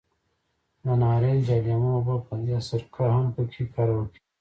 د نارنج یا لیمو اوبه یا سرکه هم په کې کارول کېږي.